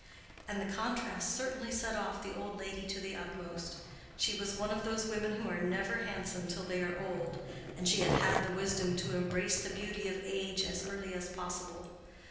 And the contrast certainly set off the old lady to the utmost. She was one of those women who are never handsome till they are old, and she had had the wisdom to embrace the beauty of age as early as possible.